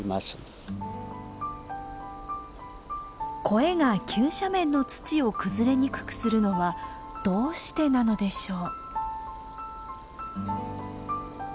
コエが急斜面の土を崩れにくくするのはどうしてなのでしょう。